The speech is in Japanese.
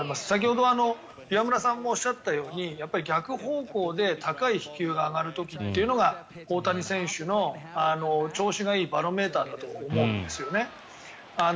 先ほど岩村さんもおっしゃったように逆方向で高い飛球が上がる時というのが大谷選手の調子がいいバロメーターだと思うんですね。